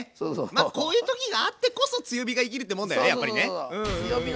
まあこういう時があってこそ強火が生きるってもんだよねやっぱりね。